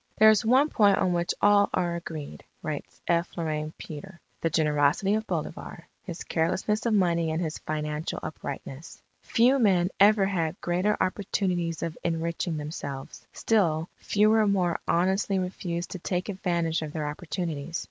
'" "There is one point on which all are agreed," writes F. Loraine Petre, "the generosity of Bolivar, his carelessness of money and his financial uprightness. Few men ever had greater opportunities of enriching themselves; still fewer more honestly refused to take advantage of their opportunities.